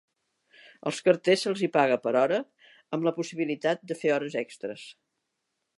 Als carters se'ls hi paga per hora amb la possibilitat de fer hores extres.